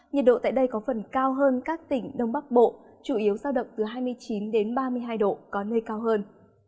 nhiệt độ tại đây có phần cao hơn các tỉnh đông bắc bộ chủ yếu giao động từ hai mươi chín ba mươi hai độ có nơi cao hơn